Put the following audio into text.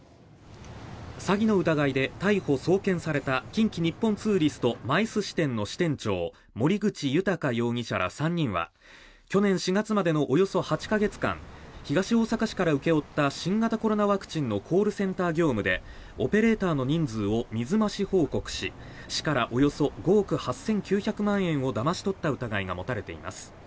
詐欺の疑いで逮捕・送検された近畿日本ツーリストＭＩＣＥ支店の支店長森口裕容疑者ら３人は去年４月までのおよそ８か月間東大阪市から請け負った新型コロナワクチンのコールセンター業務でオペレーターの人数を水増し報告し市からおよそ５億８９００万円をだまし取った疑いが持たれています。